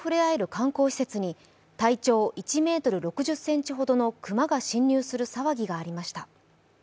観光施設に体長１ｍ６０ｃｍほどの熊が侵入する騒ぎがありました。